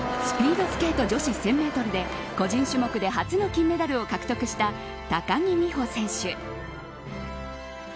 スピードスケート女子１０００メートルで個人種目で初の金メダルを獲得した、高木美帆選手。